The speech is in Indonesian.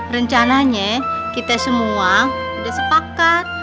rencananya kita semua sudah sepakat